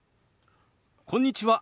こんにちは。